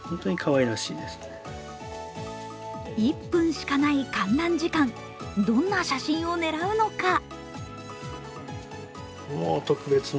１分しかない観覧時間どんな写真を狙うのか。